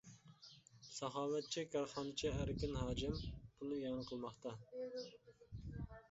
ساخاۋەتچى كارخانىچى ئەركىن ھاجىم پۇل ئىئانە قىلماقتا.